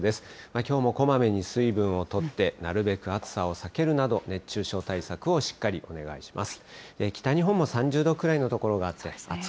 きょうもこまめに水分をとって、なるべく暑さを避けるなど、熱中症対策をしっかりお願いします。